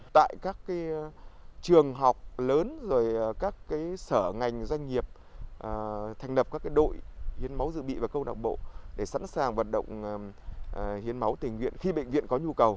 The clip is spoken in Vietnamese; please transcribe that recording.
tại các trường học lớn rồi các sở ngành doanh nghiệp thành lập các đội hiến máu dự bị và câu lạc bộ để sẵn sàng vận động hiến máu tình nguyện khi bệnh viện có nhu cầu